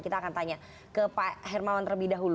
kita akan tanya ke pak hermawan terlebih dahulu